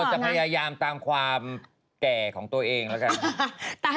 จะพยายามตามความแก่ของตัวเองแล้วกัน